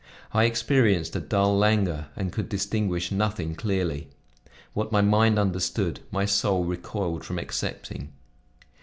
I experienced a dull languor and could distinguish nothing clearly. What my mind understood, my soul recoiled from accepting.